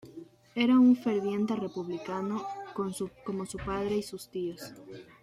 Era un ferviente republicano, como su padre y sus tíos.